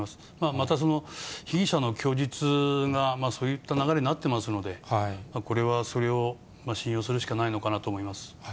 また被疑者の供述がそういった流れになってますので、これはそれを信用するしかないのかなと思います。